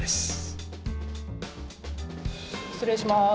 失礼します。